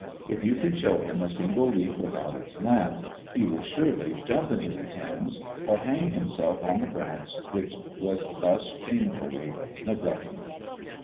If you can show him a single leaf without its lamp, he will surely jump into the Thames or hang himself on the branch which was thus shamefully neglected.